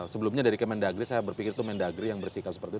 sebelumnya dari kementdagri saya berpikir itu kementdagri yang bersihkan seperti itu